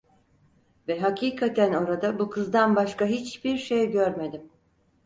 Ve hakikaten orada bu kızdan başka hiçbir şey görmedim.